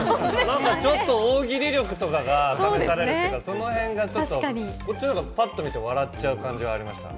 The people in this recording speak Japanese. ちょっと大喜利力とかが試されるというか、その辺がちょっとこっちの方がぱっと見て笑っちゃう感じありましたね。